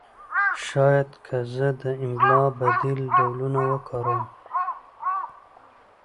شاید که زه د املا بدیل ډولونه وکاروم